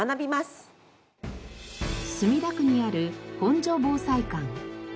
墨田区にある本所防災館。